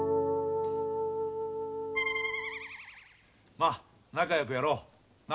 まあ仲よくやろう。な？